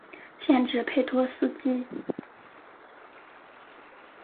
县治佩托斯基。